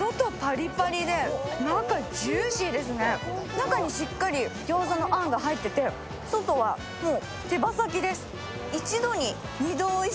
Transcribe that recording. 中にしっかり、餃子のあんが入っていて、外は手羽先です。